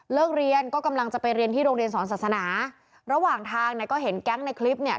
เรียนก็กำลังจะไปเรียนที่โรงเรียนสอนศาสนาระหว่างทางเนี่ยก็เห็นแก๊งในคลิปเนี่ย